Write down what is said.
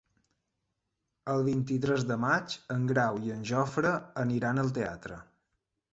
El vint-i-tres de maig en Grau i en Jofre aniran al teatre.